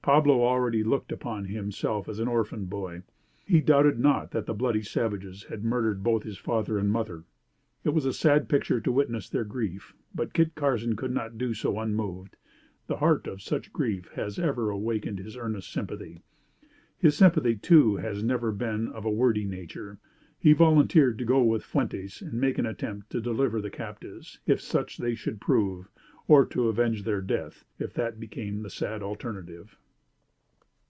Pablo already looked upon himself as an orphan boy. He doubted not that the bloody savages had murdered both his father and mother. It was a sad picture to witness their grief. But Kit Carson could not do so unmoved. The heart of such grief has ever awakened his earnest sympathy. His sympathy, too, has never been of a wordy nature. He volunteered to go with Fuentes and make an attempt to deliver the captives, if such they should prove, or to avenge their death, if that became the sad alternative.